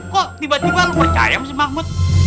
kok tiba tiba lu percaya sama si mahmud